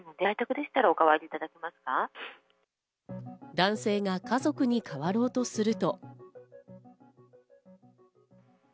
男性が家族に代わろうとすると。